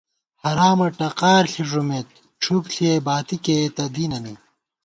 حرامہ ٹقار ݪی ݫُمېت ڄھُپ ݪِیَئی باتی کېئیتہ دینَنی